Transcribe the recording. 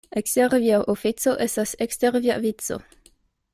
Ekster via ofico estas ekster via vico.